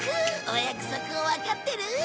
お約束をわかってる！